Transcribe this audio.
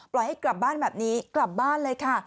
ให้กลับบ้านแบบนี้กลับบ้านเลยค่ะ